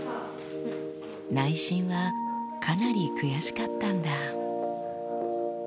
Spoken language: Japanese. ・内心はかなり悔しかったんだ